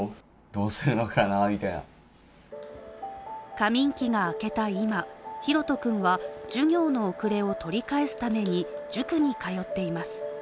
過眠期が明けた今、ひろと君は授業の遅れを取り返すために塾に通っています